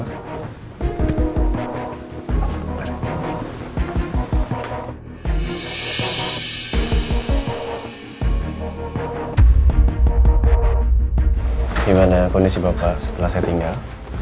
gimana kondisi bapak setelah saya tinggal